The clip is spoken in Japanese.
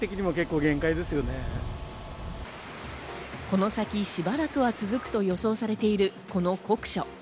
この先、しばらくは続くと予想されている、この酷暑。